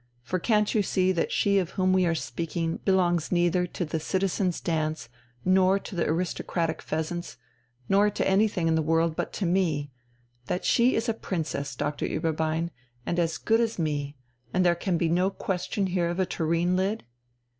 For can't you see that she of whom we are speaking belongs neither to the citizens' dance, nor to the aristocratic 'Pheasants,' nor to anything in the world but to me that she is a Princess, Doctor Ueberbein, and as good as me, and there can be no question here of a tureen lid?